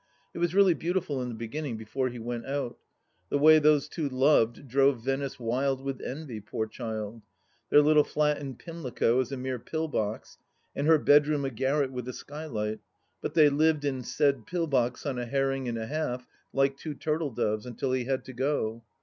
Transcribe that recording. It was really beautiful in the beginning before he went out. The way those two loved drove Venice wild with envy, poor child ! Their little flat in Pimlico is a mere pill box, and her bedroom a garret with a skylight, but they lived in said pill box on a herring and a half, like two turtle doves, until he had to go.